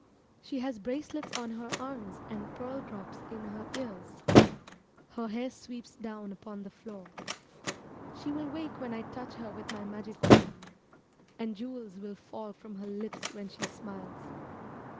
She has bracelets on her arms and pearl drops in her ears; her hair sweeps down upon the floor. She will wake when I touch her with my magic wand, and jewels will fall from her lips when she smiles.